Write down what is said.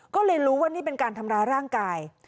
ก็เลยรู้ว่านี่เป็นการทำร้ายร่างกาย